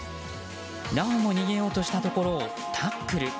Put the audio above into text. なおも逃げようとしたところをタックル。